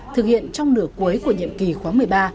thực hiện trong nửa cuối của nhiệm kỳ khóa một mươi ba